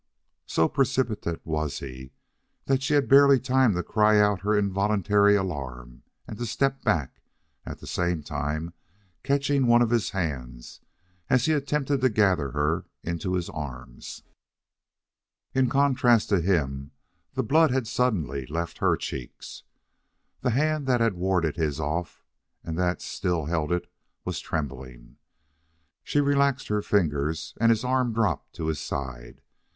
So precipitate was he, that she had barely time to cry out her involuntary alarm and to step back, at the same time catching one of his hands as he attempted to gather her into his arms. In contrast to him, the blood had suddenly left her cheeks. The hand that had warded his hand off and that still held it, was trembling. She relaxed her fingers, and his arm dropped to his side.